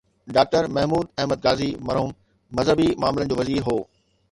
Doctor Mahmood Ahmed Ghazi مرحوم مذهبي معاملن جو وزير هو.